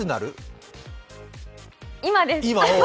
今です！